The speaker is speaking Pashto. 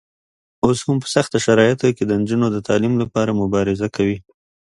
اوس هم په سختو شرایطو کې د نجونو د تعلیم لپاره مبارزه کوي.